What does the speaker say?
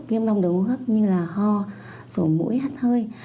viêm nông đường hốc như là ho sổ mũi hắt hơi